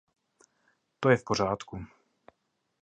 To je v pořádku.